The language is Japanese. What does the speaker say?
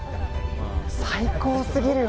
最高すぎるよ！